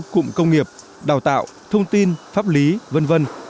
cụm công nghiệp đào tạo thông tin pháp lý v v